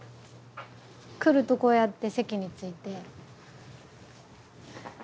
来るとこうやって席について。